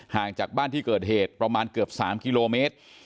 จากบ้านที่เกิดเหตุประมาณเกือบ๓กิโลเมตร